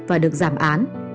và được giảm án